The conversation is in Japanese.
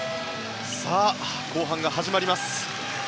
後半が始まります。